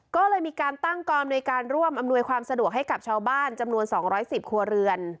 ก็เลยมีการตั้งกรรมโดยการร่วมอำนวยความสะดวกให้กับชาวบ้านจำนวนสองร้อยสิบครัวเรือน